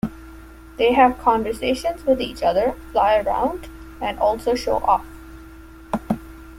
They have conversations with each other, fly around and also show off.